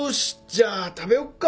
じゃあ食べよっか。